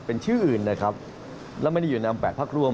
เป็นชื่ออื่นนะครับแล้วไม่ได้อยู่นาม๘พักร่วม